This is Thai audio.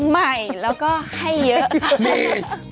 ใหม่แล้วก็ให้เยอะค่ะ